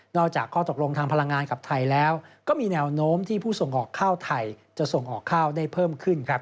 อกจากข้อตกลงทางพลังงานกับไทยแล้วก็มีแนวโน้มที่ผู้ส่งออกข้าวไทยจะส่งออกข้าวได้เพิ่มขึ้นครับ